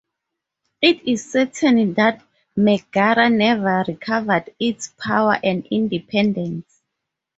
It is certain that Megara never recovered its power and independence.